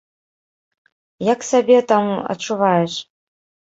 Як сябе там адчуваеш?